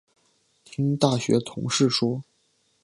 听大学同事说